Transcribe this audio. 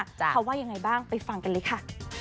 เขาว่ายังไงบ้างไปฟังกันเลยค่ะ